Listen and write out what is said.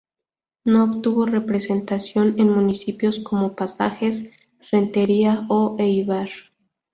No obtuvo representación en municipios como Pasajes, Rentería o Eibar.